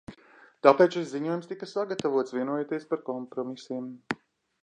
Tāpēc šis ziņojums tika sagatavots, vienojoties par kompromisiem.